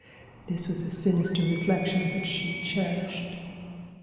(This was a sinister reflection which she cherished.)